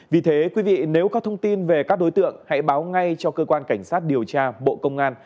vì thế quý vị nếu có thông tin về các đối tượng hãy báo ngay cho cơ quan cảnh sát điều tra bộ công an